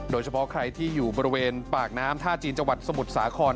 โดยเฉพาะใครที่อยู่บริเวณปากน้ำท่าจีนจังหวัดสมุทรสาคร